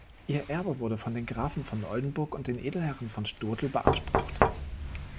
Ihr Erbe wurde von den Grafen von Oldenburg und den Edelherren von Stotel beansprucht.